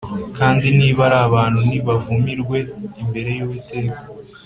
Kandi niba ari abantu nibavumirwe imbere y’Uwiteka